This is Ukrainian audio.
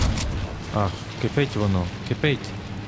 Ах, кипить воно, кипить!